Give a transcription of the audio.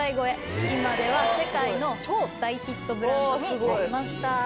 今では世界の超大ヒットブランドになりました。